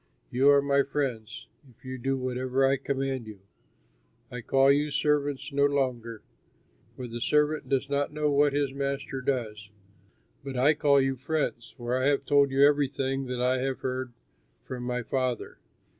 You are my friends if you do whatever I command you. I call you servants no longer, for the servant does not know what his master does; but I call you friends, for I have told you everything that I have heard from my Father.